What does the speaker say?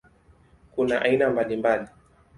Kuna aina mbalimbali.